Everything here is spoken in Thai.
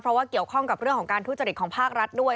เพราะว่าเกี่ยวข้องกับเรื่องของการทุจริตของภาครัฐด้วย